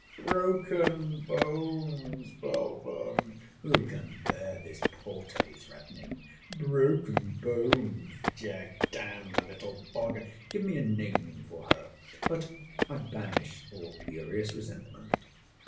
—Broken bones, Belford!—Who can bear this porterly threatening!—Broken bones, Jack!—D—n the little vulgar!—Give me a name for her—but I banish all furious resentment.